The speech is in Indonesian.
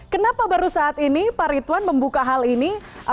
kenapa baru saat ini pak ritwan membuka hal ini